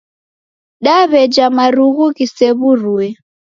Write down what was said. Daweja marugu ghisew'urue